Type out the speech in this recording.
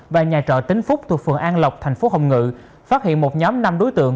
và nhà trọ tính phúc thuộc phường an lộc thành phố hồng ngự phát hiện một nhóm năm đối tượng